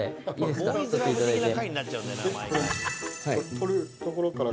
取るところから。